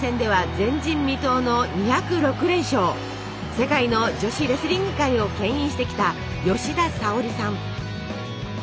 世界の女子レスリング界をけん引してきた吉田沙保里さん。